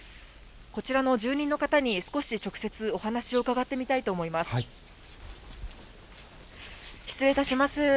こちらの住人の方に少し直接お話を伺ってみたいと思います。